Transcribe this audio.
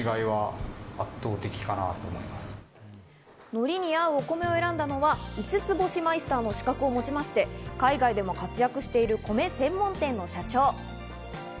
のりに合うお米を選んだのは五つ星マイスターの資格を持ちまして海外でも活躍している米専門店の社長。